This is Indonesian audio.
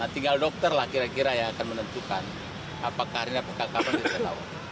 tinggal dokter lah kira kira yang akan menentukan apakah hari ini atau kapan